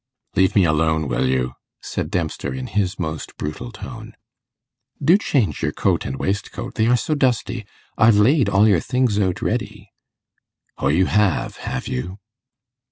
'Leave me alone, will you?' said Dempster, in his most brutal tone. 'Do change your coat and waistcoat, they are so dusty. I've laid all your things out ready.' 'O, you have, have you?